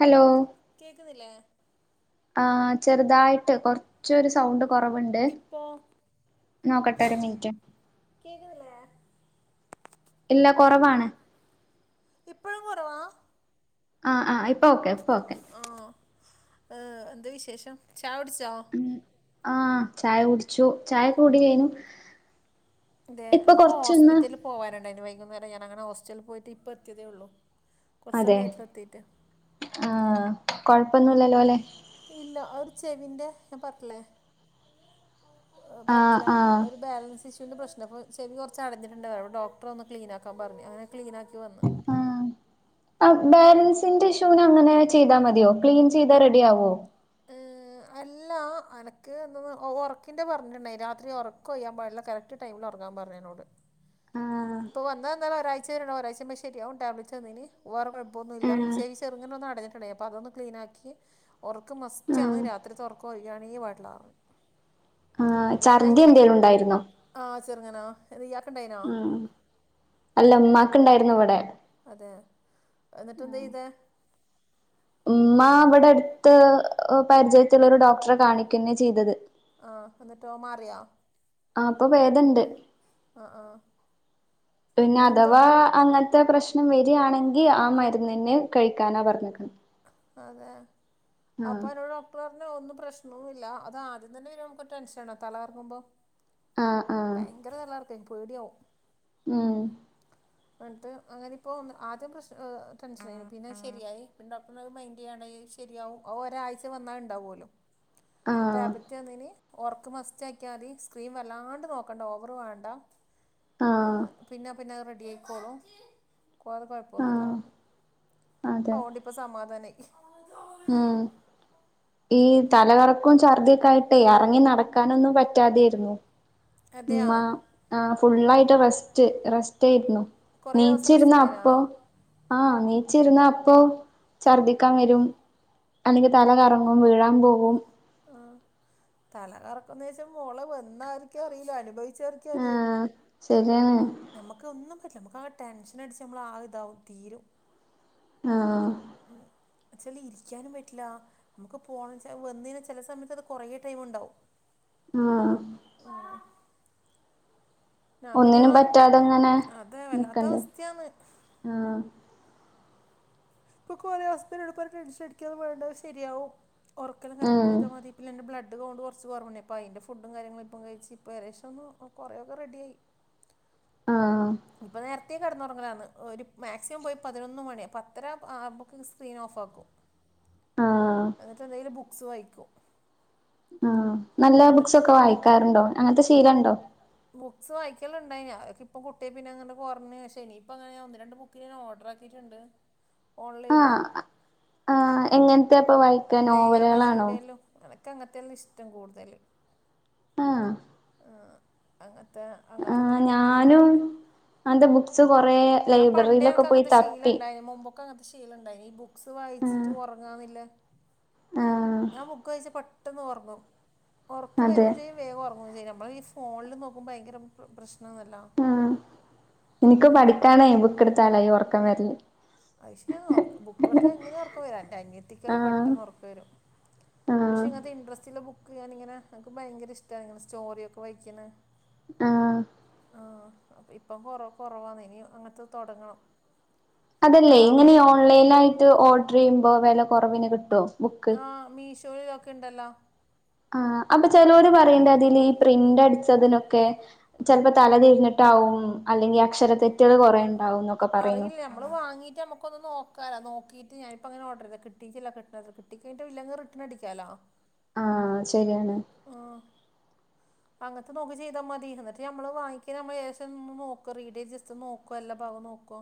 Hello കേൾക്കുന്നില്ലേ ആ ചെറുതായിട്ട് കുറച്ച് ഒരു സൗണ്ട് കുറവുണ്ട് ഇപ്പോ നോക്കട്ടെ ഒരു മിനിറ്റ് കേൾക്കുന്നില്ലേ ഇല്ലാ. കുറവാണ്. ഇപ്പോളും കുറവാ. ആഹ് ആഹ് ഇപ്പൊക്കെ, ഇപ്പൊക്കെ. ആഹ്.. ഏഹ്.. എന്താ വിശേഷം. ചാ കുടിച്ചോ. ഉം ആഹ് ചായ കുടിച്ചു. ചായ കുടിയേനു. അതെ. എൻക്ക് ഹോസ്പിറ്റൽല് പോകാനുണ്ടായിനു. വൈകുന്നേരം. ഞാന് അങ്ങനെ ഹോസ്റ്റലിൽ പോയിട്ട് ഇപ്പം എത്തിയതേ ഉള്ളൂ. കുറച്ച് അതെ. സമയമായിട്ടില്ല എത്തിയിട്ട് ആഹ് കൊഴപ്പൊന്നുംല്ലല്ലോ. അല്ലെ. ഇല്ല. ആ രു ചെവിന്റെ. ഞാൻ പറഞ്ഞിറ്റില്ലേ. ആഹ് പർറ്റില്ല. ആഹ് ഒരു ബാലൻസ് ന്റെ പ്രശ്നം. പ്പോ ചെവി കുറച്ചടഞ്ഞിട്ടുണ്ടാരുന്നു. അപ്പോ ഡോക്ടറൊന്ന് ക്ലീനാക്കാൻ പറഞ്ഞ്. അങ്ങനെ ക്ലീനാക്കി വന്നു. [inaudible] അഹ് ബാലൻസിന്റെ ഇഷ്യൂന് അങ്ങനെ ചെയ്താമതിയോ. ക്ലീൻ ചെയ്താ റെഡി ആവോ. ഏഹ്... അല്ല. എനക്ക് എന്തോ ഉറക്കിന്റെ പറഞ്ഞിട്ടുണ്ടായിരുന്നു. രാത്രി ഉറക്ക് ഒഴിയാൻ പാടില്ല. കറ കറക്ട് ടൈമില് ഒറങ്ങാൻ പറഞ്ഞിനു എന്നോട്. ആഹ് ഇപ്പോൾ വന്നത് എന്താലും ഒരാഴ്ച വരെ ഉണ്ടാവും. ഒരാഴ്ച് കഴിയുമ്പോൾ ശരിയാവും. ടാബ്‌ലറ്റ് തന്നീനി. വേറെ കുഴപ്പമൊന്നുല്ല. ആഹ് ചെവി ചെറുങ്ങനൊന്ന് അടഞ്ഞിട്ടുണ്ടേനി. അപ്പോ അതൊന്ന് ക്ലീനാക്കി. ഉറക്കം മസ്റ്റാണ്. ആഹ് രാത്രിത്തെ ഉറക്കം ഒഴിയാനേ പാടില്ലാന്നു പറഞ്ഞിന്. ആഹ് ഞാൻ ഛർദി ഇങ്ങനെ, പനി എന്തേലും ഉണ്ടായിരുന്നോ ഉണ്ടായീനിയോ? ആഹ് ചെറുങ്ങനാ. ഇയാൾക്കിണ്ടായീന്യോ. ആഹ് അല്ല. ഉമ്മാക്ക് ണ്ടായിരുന്നു. ഇവടെ അതെ. ഏഹ് ന്നിട്ട് എന്താ ചെയ്ത. ഉമ്മ ഇവിടെ അടുത്ത്, പരിചയത്തിലൊരു ഡോക്ടറെ കാണിക്ക ന്നേ ചെയ്തത്. ആഹ് ന്നിട്ടോ, മാറിയൊ. ആഹ് ഇപ്പൊ പേദണ്ട്. ആ ആ എന്തോ പിന്നഥവാ അങ്ങൻത്തെ പ്രശ്നം വേരാണെങ്കി ആ മര്ന്നെ ന്നെ കഴിക്കാനാ പറഞ്ഞെക്ക്ണെ. അതെ അപ്പന്നോട് ഡോ പ്പ ർഞ് ഒന്നുംപ്രശ്നോന്ന്ല്ല. അത്ആദ്യം തന്നെ നമുക്ക് ടെൻഷൻണ്ടാകും. തലകറങ്ങുമ്പോ ആഹ് ആഹ് ഭയങ്കര തലകറക്കെനി. പേടിയാവും. ഉം. ന്നട്ട് അങ്ങിനിപ്പോ ആദ്യം പ്രശ് ഏഹ് ടെൻഷനായി. പിന്നെ ശെരിയായി. പിന്നെ ഡോക്ടറയ് മൈന്റെയ്യാണ്ടായി. ശരിയാവും. ഒരാഴ്ചവന്നാ അയ്ണ്ടാവുലോ. ആഹ് ടാബ്ലറ്റന്ന്നി. ഒർക്ക്മസ്റ്റ്ക്കിയാതി. സ്ക്രീൻ വല്ലാണ്ട്നോക്കണ്ട. ഓവർവേണ്ട. ആഹ് ഏഹ് പിന്നെ പിന്നെ ത്റെഡിയിക്കോളൂ. വേറെ കൊഴപ്പമൊന്നുല്ല ആഹ് ർഞ്ഞു. അതെ ത് പ്പ സമാധാനായി. ഉം. ഈ തലകറക്കും ഛർദ്യൊക്കെയിട്ട്. ട്ട് എറങ്ങി നടക്കാനൊന്നും പറ്റാതെരുന്നു. ഉം അതെയാ ആഹ് ഫുള്ളായിട്ട് റെസ്റ്റ് റെസ്റ്റെയിരുന്നു. കുറേ ദിവസം റെസ്റ്റ് നീച്ചിരുന്നാ ഉണ്ടായിരുന്നാ അപ്പൊ ആഹ് നീച്ചിരുന്ന അപ്പൊ ഛർദിക്കാവരും. അല്ലെങ്കി തലകറങ്ങും. വീഴാൻ പോവും. ആഹ്. തലകറക്കന്ന് വെച്ചാ മോളെ വന്നായിരിക്കെറിയീല. അനുഭവിച്ചെ ര് ആഹ് ശെരിയാണ്. നമ്ക്കൊന്നും പറ്റ്ല. നമുക്ക് ആഹ് കെടെൻഷനടിച്ച് നമ്മൾളാതാവും. തീരും. ആഹ് ഉം അച്ഛന് ഇരിക്കാനും പറ്റ്ല നമക്ക് പോവാന്നെച്ചാ അത് വെന്ന്ന്ന് ചെല സമയത്തത് കൊറവേക്കാരണ്ടാവ ഉം ഞാൻ പിന്നെ ഒന്നിനുംപറ്റാതെങ്ങനെ അതെ വല്ലാത്ത നിക്കണ്ടേ അവസ്ഥയാണ് ഉം ഇപ്പൊ കൊറെ സ്ത്തിന് ആൾക്കാര് ടെൻഷനിടിക്കാതെ പോയണ്ടത് ശരിയാവും ഉം ഒറക്കല്ലാംകറക്ട്യ്താ മതി. പിന്നെ ൻ്റെ ബ്ലേഡ്ഡ് കൗണ്ട് കൊർച്ച് കൊറവ്ണ്ട് ഇപ്പയിന്റെ ഫുഡും കാര്യങ്ങളിപ്പം കഴിച്ച് ഇപ്പോ ഏകദേശൊന്ന് കുറേയൊക്കെ റെഡ്യായി. ആഹ് ഇപ്പ നേരത്തെ കെടന്നൊറങ്ങലാന്ന് ഒരു മാക്സിമം പോയി പതിനൊന്ന് മണി പത്തര ആവുമ്പക്ക് സ്ക്രീനോഫാക്കും. ആഹ് എന്നിട്ടെന്തെങ്കിലും ബുക്സ് വായിക്കും. ഉം നല്ല എന്നിട്ട് ബുക്സൊക്കെ വായിക്കാറുണ്ടോ അങ്ങൻത്തെ ശീലണ്ടോ? ബുക്സ് വായിക്കാല്ണ്ടേനി അതൊക്കെപ്പൊ കു ട്ട്യപ്പോ പിന്നങ്ങനെ കൊർഞ്ഞ് പക്ഷേ ഇനിയിപ്പങ്ങനെ ഒന്ന് രണ്ട് ബുക്ക് ഞൻ ഓർഡറാക്കിയിട്ട്ണ്ട്. ആഹ് ആഹ് എങ്ങൻത്തെപ്പൊ വായിക്കാ നോവല്കളാണോ? എനക്കങ്ങനത്തെല്ലാംഇഷ്ടം കൂടുതല് ആഹ് ആഹ് അങ്ങൻത്തെ അങ്ങൻത്തെ ഒന്ന് രണ്ട് ബുക്കെന്നു അൻന്താ ബുക്സ് കൊറേ ഞാൻ ലൈബ്രറിയിലൊക്കെ പണ്ടേക്കെ പോയി അങ്ങൻത്തെ തപ്പി ശീലംണ്ടായിന് മുമ്പൊ ക്കങ്ങൻത്തെ ശീലണ്ടായിനി ഈ ബുക്സ് ആ വായിച്ചിട്ട് ഒറങ്ങാന്നില്ലെ ആ ഞാൻ ബുക്ക്‌ വായിച്ച പെട്ടെന്നോർങ്ങും ഒർക്ക് അതെ വെരും ചെയ്യും വേം ഒർങ്ങും ചെയ്യും നമ്മളീ ഫോണില് നോക്കുമ്പോ ഭയങ്കര പ് പ്രശ്നാന്നല്ലോ ഇനിക്ക് പഠിക്കാനായി ബുക്ക്ട്ത്താലായി ഒർക്കം വെര്ല് അയ് ശെര്യാ ഓർക്ക് ബുക്കൊട്ത്ത എങ്ങനെ ഒറക്കവരും ആ എന്റനിയത്തിക്കെല്ലാം പെട്ടന്നോറക്കം വെരും. ആ പക്ഷെ ഇങ്ങൻത്തെ ഇൻട്രസ്റ്റുള്ള ബുക്ക് ഞാനിങ്ങനെ എനിക്ക് ഭയങ്കരിഷ്ടാണ് ഇങ്ങനെ സ്റ്റോറ്യൊക്കെ വായിക്കണെ. ആഹ് ആഹ് അപ്പം ഇപ്പം കൊറെ കൊറവാണ് ഇനി അങ്ങൻത്തെ തൊടങ്ങണം. അതല്ലേ ഇങ്ങനെ ഓൺലൈനായിട്ട് ഓർഡറെയ്യുമ്പോ വെലകൊറവിന് കിട്ടോ? ആഹ് മീഷോയിലൊക്കെണ്ടല്ലോ. ആഹ് അപ്പൊ ചെലോര് പറിണ്ട് അതിലീ പ്രിന്റടിച്ചതിനൊക്കെ ചെലപ്പോ തലതിരിഞ്ഞിട്ടാവും അല്ലെങ്കി അക്ഷരതെറ്റുകൾ കൊറെ ണ്ടാവുന്നൊ അറിയില്ല നമ്മള് വാങ്ങിട്ട് അമ്മക്കൊന്ന് നോക്കാലാ നോക്കിട്ട് ഞാനിപ്പ അങ്ങനെ ഓഡറെയ്‌താ കിട്ടീട്ടില്ല കിട്ട [unintelligible] കി കിട്ടി കഞ്ഞിട്ടില്ലെങ്കി റിട്ടണടിക്കാലോ ആഹ് ശെര്യാണ്. ആഹ് അങ്ങൻത്തെ നോക്കി ചെയ്താമതി ന്നട്ട് നമ്മള് വാങ്ങിക്കണമ്മള് യേശം ഒന്ന് നോക്ക റീഡേയിൽ ജസ്റ്റ് നോക്കല്ല എല്ലാ ഭാഗം നോക്ക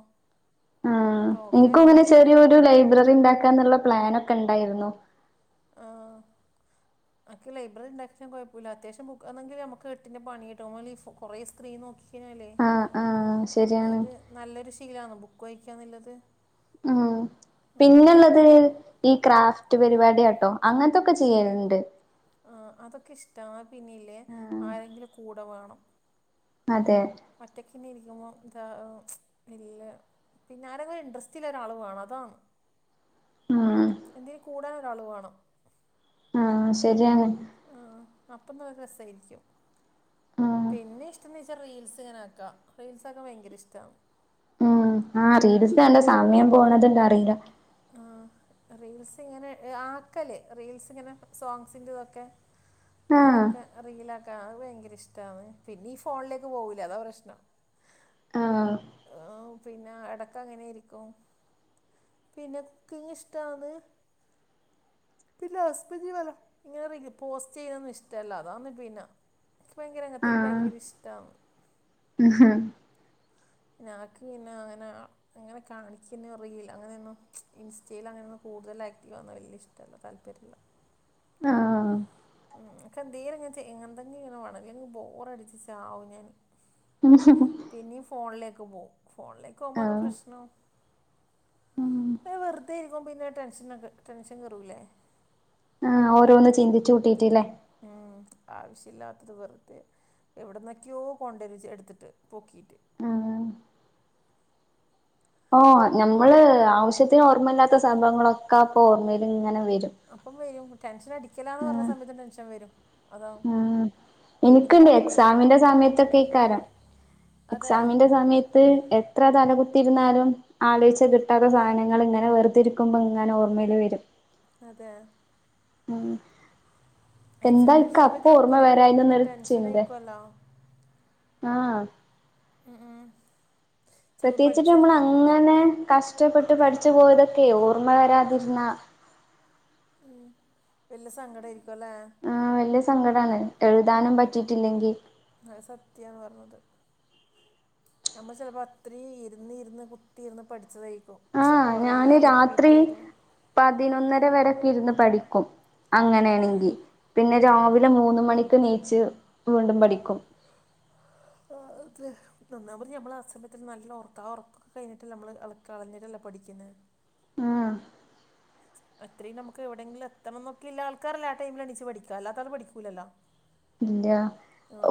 ഉം ഇനിക്കും ഇങ്ങനെ ചെറിയൊരു ലൈബ്രറിണ്ടാക്കാന്ന്ള്ള പ്ലനൊക്കെണ്ടായിരുന്നു. ആഹ് എനിക്ക് ലൈബ്രറിണ്ടാക്ക്ണെ കൊഴപ്പൂല്ല അത്യാവശ്യം ബുക്ക് അല്ലങ്കി നമക്ക് എട്ടിന്റെ പണി കിട്ടും നമ്മളി ഫോ കൊറെ സ്ക്രീൻ നോക്കി ക്കഴിഞ്ഞാലേ ആഹ് ആഹ് ശരിയാണ് ഒരു നല്ലൊരു ശീലാണ് ബുക്ക് വായിക്കാന്ന്ള്ളത് ഉം പിന്നെള്ളത് ല് ഈ ക്രാഫ്റ്റ് പരിവാട്യാട്ടോ അങ്ങൻത്തൊക്കെ ചെയ്യല്ണ്ട് ആഹ് അതൊക്കെ ഇഷ്ടാ പിന്നെല്ലേ ആഹ് ആരെങ്കിലും കൂടെ വാണം. അതെ ഒറ്റക്കിങ്ങനെരിക്കുമ്പോ ഇത ഏഹ് ഇല്ല പിന്നെ ആരെങ്ങും ഒര് ഇൻട്രസ്റ്റ്ള്ള ഒരാളും വേണം അതാണ് ഉം എന്തേ കൂടാന് ഒരാള് വേണം ആഹ് ശരിയണ് ആഹ് അപ്പം നല്ല രസായിരിക്കും ആഹ് പിന്നെ ഇഷ്ട്ടെന്ന് ചോയിച്ചാ റീൽസ് ഇങ്ങനാക്കാ റീൽസ് ആക്കാൻ ഭയങ്കര ഇഷ്ട്ടാന്ന് ഉം ആഹ് റീൽസ് കണ്ടാ സമയം പോണത് അറിയില്ലാ ആഹ് റീൽസ് ഇങ്ങനെ ആക്കല് റീൽസ് ഇങ്ങനെ സോങ്സിന്റെ ഇതൊക്കെ ആഹ് അങ്ങനെക്കെ റീലാക്കാ അത് ഭയങ്കര ഇഷ്ട ട്ടാണ് പിന്നെ ഈ ഫോണിലേക്ക് പോകുല്ലാ അതാ പ്രശ്നം ആഹ് ആഹ് പിന്നെ എടക്ക് അങ്ങനെയായിരിക്കും പിന്നെ കുക്കിങ് ഇഷ്ട്ടാന്ന് പിന്നെ ഹസ്ബൻഡിന് വല്ലാ ഇങ്ങനെ റീല് പോസ്റ്റ് ചെയ്യുന്നൊന്നും ഇഷ്ട്ടല്ലാ അതാന്ന് പിന്നാ ഇൻക്ക് ഭയങ്കര എല്ലാത്തിലും ഭയങ്കര ഇഷ്ട്ടാന്ന് ഉഹ്ഹ് ഹം ഞാക്ക് ഇങ്ങനെ അങ്ങനാ അങ്ങനെ കാണിക്കുന്ന റീല് അങ്ങനെയൊന്നും ഇൻസ്റ്റയിൽ അങ്ങനെയൊന്നും കൂടുതൽ ആക്റ്റീവാകുന്നെ വല്ല്യഷ്ട്ടല്ലാ താല്പര്യല്ലാ ആഹ് ഉം ഇക്ക് എന്തേലുങ്ങനെ‌ ചെയ് [unintelligible] ഇങ്ങനെ വാണം ഇല്ലെങ്കിൽ ബോർ അടിച്ച് ചാവും ഞാന് ഉംഹ്ഹ് പിന്നേ ഫോണിലേക്ക് പോവും ഫോണിലേക്ക് പോകുമ്പാന്ന് ആഹ് പ്രശ്നവും ഇങ്ങനെ വെറുതെ ഇരിക്കുമ്പോ പിന്നെ ടെൻഷനെക്കെ ടെൻഷൻ കേറുല്ലേ ആഹ് ഓരോന്ന് ചിന്തിച്ച് കൂട്ടിട്ട്ല്ലേ ഏഹ് ആവശ്യല്ലാത്തത് വെറ്തെ എവിടുന്നൊക്കെയോ കൊണ്ടെരു എടുത്തിട്ട് പൊക്കീറ്റ് ആഹ് ആഹ് ഞമ്മള് ആവശ്യത്തിന് ഓർമ്മയില്ലാത്ത സംഭവങ്ങളൊക്കെ അപ്പൊ ഓർമ്മയില് ഇങ്ങനെ വരും അപ്പം വെരും ടെൻഷനടിക്കലാന്ന് പറഞ്ഞ സമയത്ത് ടെൻഷൻ വെരും ആഹ് എനിക്കിണ്ട് എടുക്കും എക്സാമിന്റെ സമയത്തൊക്കെ ആയിക്കാരം അതെ എക്സാമിന്റെ സമയത്ത് എത്ര തലകുത്തിയിരുന്നാലും ആലോയിച്ച കിട്ടാത്ത സാധനങ്ങള് ഇങ്ങനെ വെറുതെരിക്കുമ്പോ ഇങ്ങനെ ഓർമ്മയില് വെരും അതെയാ ഉം എന്താ എക്സാമിൻ്റെ ഒരു ഇക്ക് അപ്പ സമയത്ത് ഓർമ്മ നമുക്കൊരു വരായിന്ന്ന്നൊരു ടെൻഷൻ ചിന്താ ആയിക്കുമല്ലോ ആഹ് ആഹ് ആഹ് പ്രത്യേകിച്ചിട്ട് നമ്മള് അങ്ങനെ, കഷ്ടപ്പെട്ട് പഠിച്ചു പോയതൊക്കെ ഓർമ്മ വരാതിരുന്നാ ഉം വെല്ല്യാ സങ്കടായിരിക്കൂല്ലേ. ആഹ് വെല്ല്യാ സങ്കടാണ് എഴുതാനും പറ്റിയിറ്റില്ലെങ്കിൽ അത് സത്യാ പറഞ്ഞത്. നമ്മള് ചെലപ്പോ അത്രയും ഇരുന്ന് ഇരുന്ന് കുത്തിയിരുന്ന് പഠിച്ചതായി ആഹ് ഞാന് രാത്രി പതിനൊന്നര വരൊക്കെ ഇരുന്ന് പഠിക്കും. അതെ അങ്ങനെയാണെങ്കി പിന്നെ ആ ആ രാവിലെ മൂന്ന് മണിക്ക് ണീച്ച് വീണ്ടും പഠിക്കും. ആഹ് അതെ. ഒന്നാമത് ഞമ്മള് ആ സമയത്തിരുന്ന് നല്ല ഒറക്കാ ആ ഒറക്കൊക്കെ കയിഞ്ഞിട്ടല്ലെ നമ്മള് കളഞ്ഞിട്ടല്ലേ പഠിക്ക്ന്നെ ആഹ്. അത്രയും നമ്മക്ക് എവിടെങ്കിലും എത്തണന്നൊക്കെ ഇള്ള ആൾക്കാരല്ലേ ആ ടൈമില് എണിച്ച് പഠിക്കാ അല്ലാത്ത ആള് പഠിക്കൂലല്ലോ ആഹ്. ഇല്ല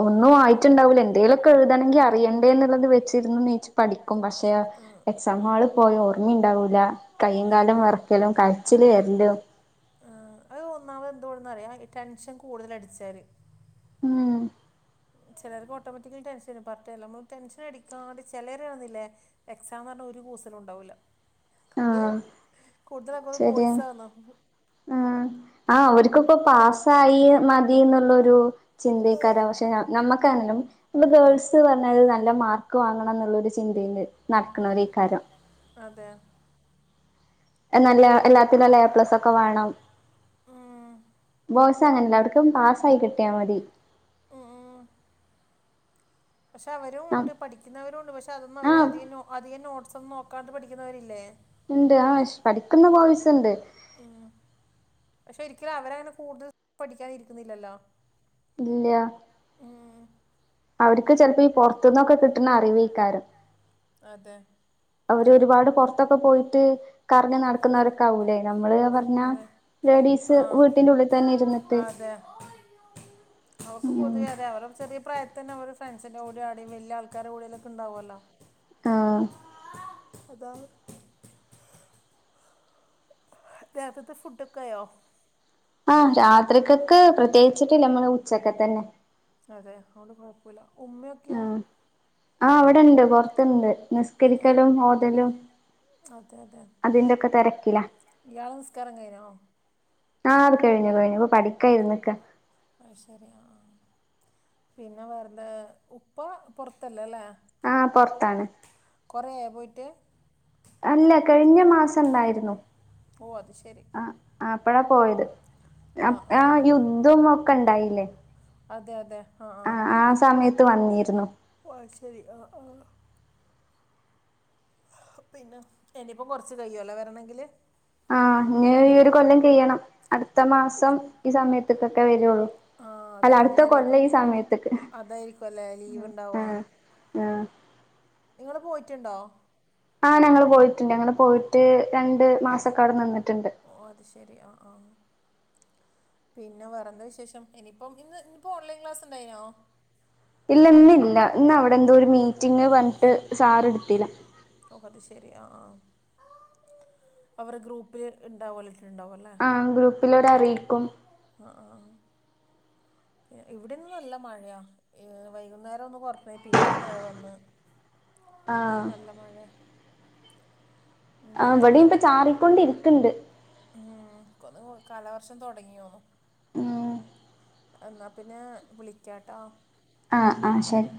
ഒന്നും ആയിട്ടുണ്ടാവൂല്ലാ എന്തേലൊക്കെ എഴുതെണെങ്കി അറിയണ്ടേ എന്നുള്ളത് വെച്ചിരുന്നു ണീച്ച് പഠിക്കും പക്ഷേ എക്സാം ഹാളിപോയാ ഓർമ്മയുണ്ടാവൂില്ല കയ്യും കാലം വെറക്കലും കാര് ചില് വരലും ആഹ് അത് ഒന്നാമത് എന്തുകൊണ്ടൊന്ന് അറിയോ ടെൻഷൻ കൂടുതല് അടിച്ചാല് ഉം. ചെലർക്ക് ഓട്ടോമാറ്റിക്കായിട്ട് ടെൻഷൻ വരും പറഞ്ഞിട്ടര്യല്ല നമ്മള് ടെൻഷൻ അടിക്കാണ്ട് ചെലരെകണ്ടില്ലേ എക്സാമ് പറണാ ഒരു കൂസലും ഉണ്ടാവൂല്ല ആഹ് ഒന്ന് ശരിയാ ബോയ്സ് ആണ് [inaudible] ആഹ് അവർക്കിപ്പോ പാസ്സായി മതി ന്നുള്ളൊരു ചിന്തെയ്ക്കാരം പക്ഷെ ഞമ്മക്കാണേലും ഇന്ന് ഗേൾസ് പറഞ്ഞല് നല്ല മാർക്ക് വാങ്ങണന്നുള്ള ഒരു ചിന്തയില് നടക്ക്ണോരയ്ക്കാരം അതെ നല്ല എല്ലാത്തിനും നല്ല എപ്ലസൊക്കെ വാണം ഉം. ബോയ്സ് അങ്ങനെല്ല അവർക്ക് പാസ്സായി കിട്ടിയാ മതി ഉം. പക്ഷെ ആഹ് അവരൂണ്ട് പഠിക്കുന്നവരുംണ്ട് പക്ഷെ അതൊന്ന് അവര് ആഹ് അധികം അധികം നോട്ടട്സ് ഒന്ന് നോക്ക ക്കാണ്ട് പഠിക്കുന്നവരില്ലേ? ണ്ട് ആശ് പഠിക്ക്ന്ന ബോയ്സ് ഇണ്ട് ഉം പക്ഷെ ഒരിക്കലും അവര അങ്ങനെ കൂടുതൽ പഠിക്കാനിരിക്കുന്നില്ലല്ലോ? ഇല്ല്യാ ഉം അവർക്ക് ചെലപ്പോ ഈ പൊറത്തുന്നൊക്കെ കിട്ടുന്ന അറിവേക്കാരം അതെ അവര് ഒരുപാട് പൊറത്തൊക്കെ പോയിട്ട് കറങ്ങി നടക്കുന്നവർക്കാവൂലേ നമ്മള് പറഞ്ഞ അതെ ലേഡീസ് ആ വീട്ടിന്റെ ഉള്ളിൽ തന്നെ ഇരുന്നിട്ട് അതെ അവർക്ക് ഉം പൊതുവെ അതെ അവരടെ ചെറിയ പ്രായത്തന്നെ ഓര് ഫ്രണ്ട്സിന്റെ കൂടെയും അവിടെ വല്ല്യാ ആൾക്കാരടെ കൂടലൊക്കെണ്ടാവുമല്ലോ ആഹ് അതാണ് രാത്രിത്തെ ഫുഡൊക്കെയായോ? ആഹ് രാത്രിക്കെക്ക് പ്രത്യേകിച്ചിട്ടില്ല ഉച്ചക്കത്തെന്നെ അതെ അതോണ്ട് കുഴപ്പുല്യാ ഉമ്മയൊക്കെയോ? ആഹ് ആഹ് അവിടെണ്ട് പുറത്തണ്ട് അതെ നിസ്കരിക്കലും ഓതലും അതെ അതെ അതിന്റൊക്കെ തെരക്കിലാ ഇയാളെ നിസ്കാരം കഴഞ്ഞോ? ആഹ് അത് കഴിഞ്ഞു കഴിഞ്ഞു ഇപ്പൊ പഠിക്കാ ഇരുന്നക്കാണ് ആത് ശരി ആഹ് പിന്നെ വേറെതെ ഉപ്പ പൊറത്തല്ലല്ലേ? ആഹ് പൊറത്താണ് കൊറേയോ പോയിട്ട്? അല്ല കഴിഞ്ഞ മാസം ഇണ്ടായിരുന്നു. ഓ അത് ശരി ആ അപ്പഴാ പോയത് അ ആ യുദ്ധം ഒക്കെ ഇണ്ടായില്ലേ അതെ അതെ ആഹ ആ ആഹ് ആ സമയത്ത് ത്ത് വന്നിരുന്നു ഒഹ് അയ്ഷെരി ആഹ് ആഹ് പിന്നെ ഇനിയിപ്പോ കൊറച്ചു കയ്യൊല്ലോ വരണെങ്കില് ആഹ് ഇനി ഈ ഒരു കൊല്ലം കയ്യണം അടുത്ത മാസം ഈ സമയത്തക്കൊക്കെ വരുള്ളൂ ആഹ് അതെ അല്ല അടുത്ത കൊല്ലം അന്നേരേക്കും ഈ സമയത്തക്ക് അതായിരിക്കും അല്ലേ ലീവ് ആ ഉണ്ടാവാ ആ നിങ്ങള് പോയിട്ടുണ്ടോ? ആ ഞങ്ങൾ പോയിട്ടുണ്ട് ഞങ്ങൾ പോയിട്ട് രണ്ട് മാസക്കാട് നിന്നിട്ടുണ്ട്. ഓ അത് ശരി ആ ആ പിന്നെ വെറെത വിശേഷം ഇനിയിപ്പം ഇന്ന് ഇനിപ്പോ ഓൺലൈൻ ക്ലാസ് ഉണ്ടായിനോ? ഇല്ല ഇന്നില്ല ഇന്ന് അവിടെ എന്തോ ഒരു മിറ്റിങ് വന്നിട്ട് സാർ എടുത്തില്ല. ഓ അത് ശെരി ആ ആ അവരു ഗ്രൂപ്പില് ഉണ്ടാവല്ലിട്ടുണ്ടാവല്ലേ? ആ ഗ്രൂപ്പിലുടെ അറിയിക്കും. അ ആഹ് ഇവിടെന്ന് നല്ല മഴയാ വൈകുന്നേരം ഒന്ന് കൊറഞ്ഞ് പിന്നെയും മഴ വന്ന്. ആഹ് നല്ല മഴാ അ ഇവിടെയും ഇപ്പ അത്- ചാറിക്കൊണ്ടിരിക്കണ്ട്. ഉം കൊലം കാലവർഷം തുടങ്ങിതൊനുന്നു. ഉം എന്നാ പിന്നെ വിളിക്കാട്ടൊ? ആ ആ ശരി